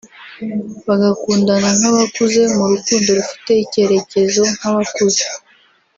bagakundana nk’abakuze mu rukundo rufite icyerekezo nk’abakuze